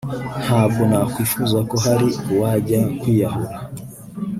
nta bwo nakwifuza ko hari uwajya kwiyahura